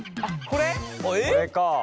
これか。